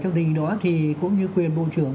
trong tình hình đó thì cũng như quyền bộ trưởng